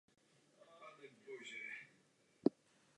V rámci společnosti bylo uspořádáno několik výstav jeho fotografií.